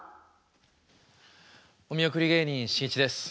お見送り芸人しんいちです。